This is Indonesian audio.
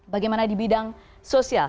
bagaimana di bidang sosial